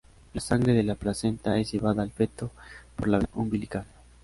La sangre de la placenta es llevada al feto por la vena umbilical.